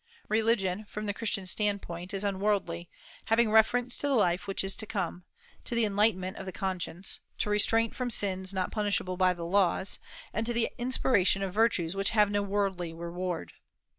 Religion, from the Christian standpoint, is unworldly, having reference to the life which is to come, to the enlightenment of the conscience, to restraint from sins not punishable by the laws, and to the inspiration of virtues which have no worldly reward.